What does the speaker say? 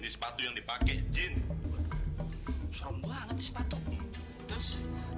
ini sepatu yang dipakai jenis